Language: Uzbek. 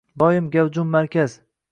Doim gavjum markaz